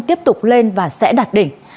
tiếp tục lên và sẽ đạt đỉnh